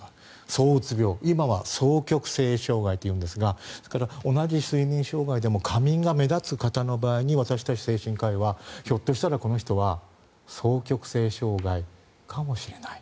そううつ病今は双極性障害というんですが同じ睡眠障害でも過眠が目立つ方の場合に私たち精神科医はひょっとしたらこの人は双極性障害かもしれない。